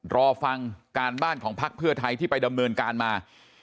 รอฟังการบ้านของพักเพื่อไทยที่ไปดำเนินการมา